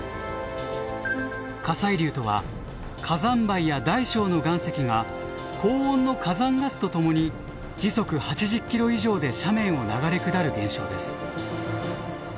火砕流とは火山灰や大小の岩石が高温の火山ガスとともに時速８０ｋｍ以上で斜面を流れ下る現象です。